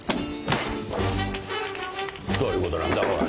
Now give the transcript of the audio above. どういうことなんだおい。